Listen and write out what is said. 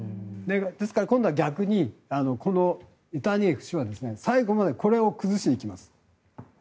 ですから、今度は逆にこのネタニヤフ氏は最後までこれを崩しにきます。